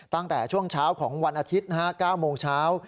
ตั้งแต่ช่วงเช้าของวันอาทิตย์๙โมงเช้า